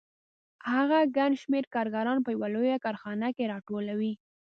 هغه ګڼ شمېر کارګران په یوه لویه کارخانه کې راټولوي